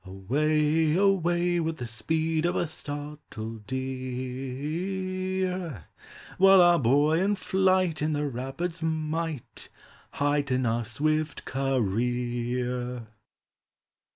Away ! Away ! With the speed of a startled deer, While our buoyant flight And the rapid's might Heighten our swift career."